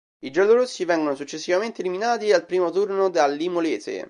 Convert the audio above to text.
I giallorossi vengono successivamente eliminati al primo turno dall'Imolese.